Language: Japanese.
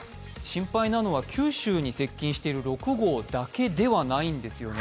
心配なのは九州に接近している６号だけではないんですね。